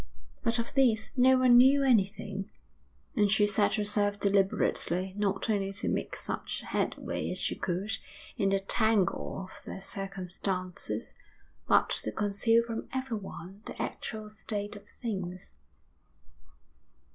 But of this no one knew anything; and she set herself deliberately not only to make such headway as she could in the tangle of their circumstances, but to conceal from everyone the actual state of things.